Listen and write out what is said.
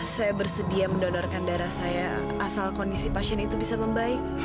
saya bersedia mendonorkan darah saya asal kondisi pasien itu bisa membaik